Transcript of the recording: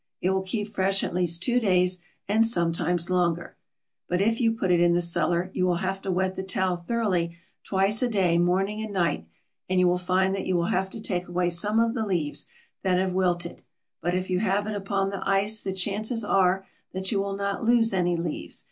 It will keep fresh at least two days, and sometimes longer; but if you put it in the cellar you will have to wet the towel thoroughly twice a day, morning and night; and you will find that you will have to take away some of the leaves that have wilted, but if you have it upon the ice the chances are that you will not lose any leaves.